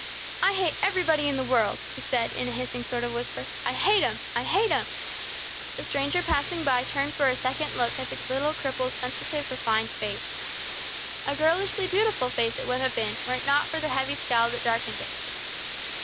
"I hate everybody in the world!" he said in a hissing sort of whisper. "I hate'm! I hate'm!" A stranger passing by turned for a second look at the little cripple's sensitive, refined face. A girlishly beautiful face it would have been, were it not for the heavy scowl that darkened it.